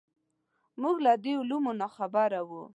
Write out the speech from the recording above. موږ له دې علومو ناخبره وو.